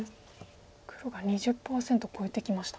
黒が２０％を超えてきました。